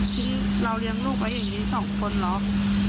ทิ้งเราเลี้ยงลูกไว้อย่างนี้๒คนเหรอ